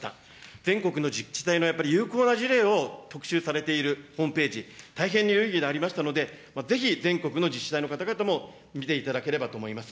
全国の自治体のやっぱり有効な事例を特集されているホームページ、大変に有意義でありましたので、ぜひ全国の自治体の方々も見ていただければと思います。